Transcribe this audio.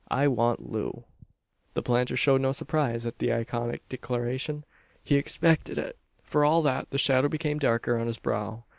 I want Loo!" The planter showed no surprise at the laconic declaration. He expected it. For all that, the shadow became darker on his brow.